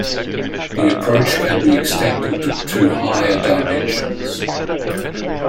The approach can be extended to higher dimensions.